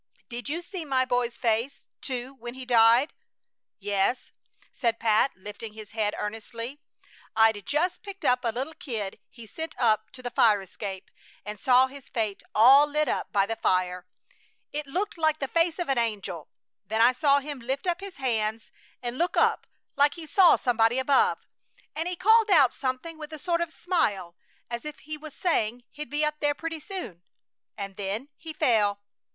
Did you see my boy's face, too, when he died?" "Yes," said Pat, lifting his head earnestly. "I'd just picked up a little kid he sent up to the fire escape, and saw his face all lit up by the fire. It looked like the face of an angel! Then I saw him lift up his hands and look up like he saw somebody above, and he called out something with a sort of smile, as if he was saying he'd be up there pretty soon! And then he fell!"